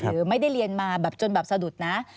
หรือไม่ได้เรียนมาแบบจนแบบสะดุดนะ